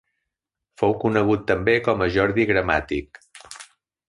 Fou conegut també com a Jordi Gramàtic.